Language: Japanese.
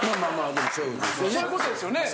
そういうことですよね？